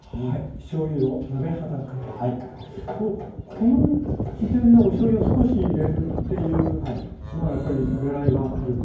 この時点でおしょうゆを少し入れるっていうのはやっぱり狙いがあるんですか？